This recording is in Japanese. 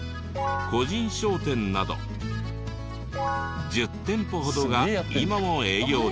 個人商店など１０店舗ほどが今も営業中。